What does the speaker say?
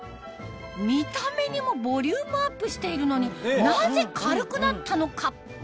見た目にもボリュームアップしているのになぜ軽くなったのか？